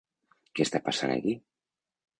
Què està passant aquí?